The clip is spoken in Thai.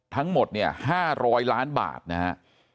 ทั้งหมดเนี่ย๕๐๐ล้านบาทนะฮะ